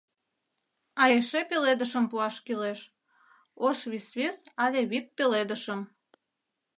А эше пеледышым пуаш кӱлеш... ош висвис але вӱд пеледышым...